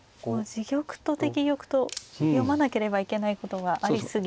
自玉と敵玉と読まなければいけないことがありすぎて。